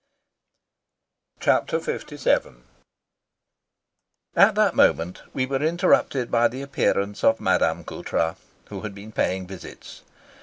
Chapter LVII AT that moment we were interrupted by the appearance of Madame Coutras, who had been paying visits.